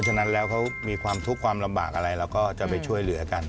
ฉะนั้นแล้วเขามีความทุกข์ความลำบากอะไรเราก็จะไปช่วยเหลือกัน